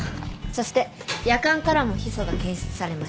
そしてやかんからもヒ素が検出されました。